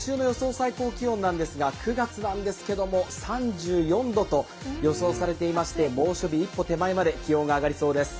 最高気温なんですが９月なんですけれども、３４度と予想されていまして、猛暑日一歩手前まで気温が上がりそうです。